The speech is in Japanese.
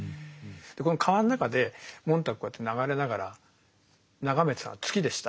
でこの川の中でモンターグこうやって流れながら眺めてたのは月でした。